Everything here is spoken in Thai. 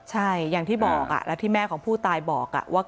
ใช่อย่างที่บอกแล้วที่แม่ของผู้ตายบอกว่า